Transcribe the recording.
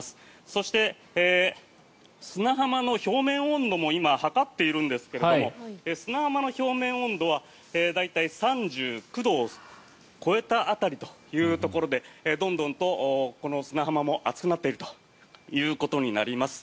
そして、砂浜の表面温度も今、測っているんですけれど砂浜の表面温度は大体３９度を超えた辺りということでどんどんとこの砂浜も熱くなっているということになります。